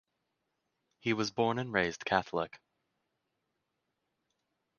He was born and raised Catholic.